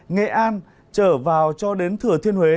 nghệ an trở vào cho đến thừa thiên huế